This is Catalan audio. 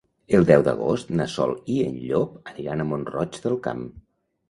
El deu d'agost na Sol i en Llop aniran a Mont-roig del Camp.